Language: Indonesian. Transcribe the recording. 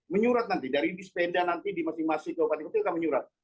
menyurat nanti dari di sepeda nanti di masing masing kabupaten itu akan menyurat